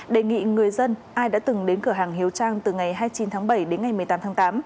đề nghị người dân ai đã từng đến cửa hàng hiếu trang từ ngày hai mươi chín tháng bảy đến ngày một mươi tám tháng tám